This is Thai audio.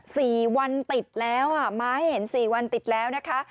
สี่วันติดแล้วอ่ะมาให้เห็นสี่วันติดแล้วนะคะ